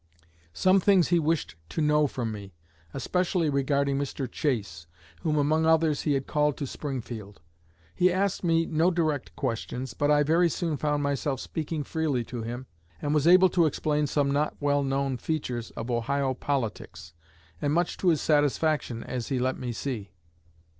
Some things he wished to know from me, especially regarding Mr. Chase, whom, among others, he had called to Springfield. He asked me no direct questions, but I very soon found myself speaking freely to him, and was able to explain some not well known features of Ohio politics and much to his satisfaction, as he let me see.